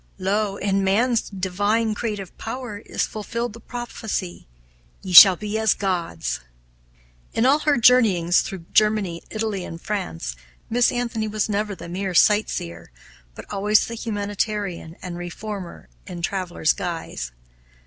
Lo! in man's divine creative power is fulfilled the prophecy, 'Ye shall be as Gods!'" In all her journeyings through Germany, Italy, and France, Miss Anthony was never the mere sight seer, but always the humanitarian and reformer in traveler's guise.